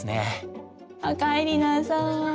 おかえりなさい。